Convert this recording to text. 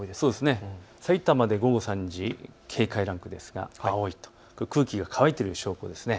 さいたまで午後３時、警戒ランクですが青いと空気が乾いている証拠です。